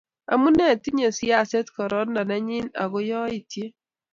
amu tinyei siaset gororonindo nenyi ako yaityet